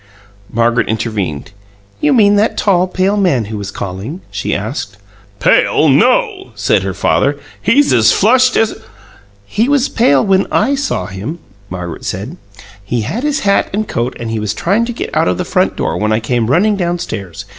Margaret intervened. "You mean that tall, pale man who was calling?" she asked. "Pale, no!" said her father. "He's as flushed as " "He was pale when I saw him," Margaret said. "He had his hat and coat, and he was trying to get out of the front door when I came running downstairs.